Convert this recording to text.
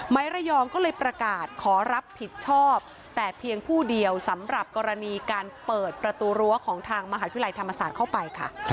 ระยองก็เลยประกาศขอรับผิดชอบแต่เพียงผู้เดียวสำหรับกรณีการเปิดประตูรั้วของทางมหาวิทยาลัยธรรมศาสตร์เข้าไปค่ะ